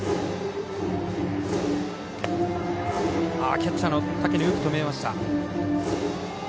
キャッチャーの竹野よく止めました。